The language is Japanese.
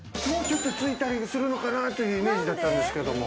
もうちょっと、ついたりするのかなというイメージだったんですけれど。